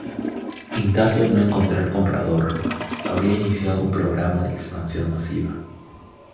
En caso de no encontrar comprador, habría iniciado un programa de expansión masiva.